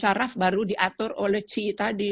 saraf baru diatur oleh chi tadi